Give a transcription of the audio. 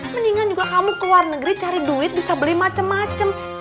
mendingan juga kamu ke luar negeri cari duit bisa beli macam macam